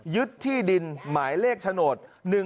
ยึดที่ดินหมายเลขโฉนด๑๕๑๓๙